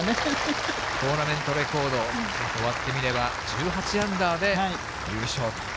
トーナメントレコード、終わってみれば、１８アンダーで優勝と。